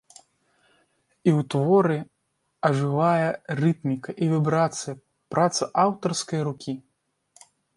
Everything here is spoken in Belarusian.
І ў творы ажывае рытміка і вібрацыя працы аўтарскай рукі.